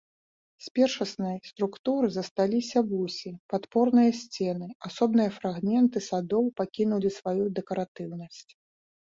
З першаснай структуры засталіся восі, падпорныя сцены, асобныя фрагменты садоў пакінулі сваю дэкаратыўнасць.